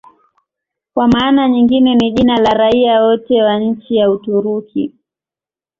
Kwa maana nyingine ni jina la raia wote wa nchi ya Uturuki.